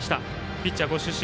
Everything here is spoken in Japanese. ピッチャーご出身